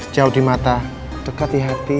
jauh di mata dekat di hati